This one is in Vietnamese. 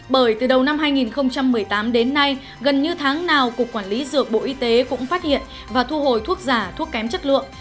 bởi từ đầu năm hai nghìn một mươi tám đến nay gần như tháng nào cục quản lý dược bộ y tế cũng phát hiện và thu hồi thuốc giả thuốc kém chất lượng